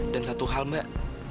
dan satu hal mbak